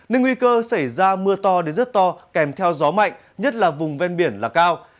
nên nguy cơ xảy ra mưa to đến rất to kèm theo gió mạnh nhất là vùng ven biển là cao